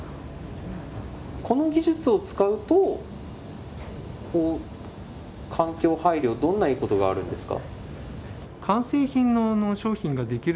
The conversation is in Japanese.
この技術を使うと、環境配慮、どんないいことがあるんですか？